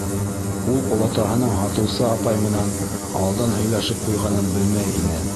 Ул олатаһының һатыусы апай менән алдан һөйләшеп ҡуйғанын белмәй ине...